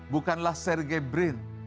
bukanlah sergey brin